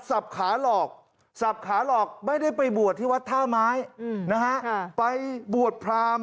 ขาหลอกสับขาหลอกไม่ได้ไปบวชที่วัดท่าไม้นะฮะไปบวชพราม